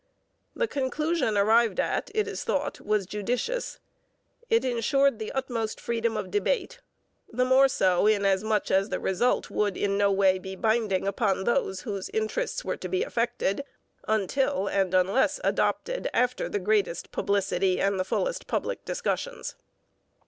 The conclusion arrived at, it is thought, was judicious. It ensured the utmost freedom of debate; the more so, inasmuch as the result would be in no way binding upon those whose interests were to be affected until and unless adopted after the greatest publicity and the fullest public discussions.